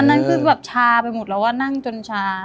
นั้นคือแบบชาไปหมดแล้วว่านั่งจนชา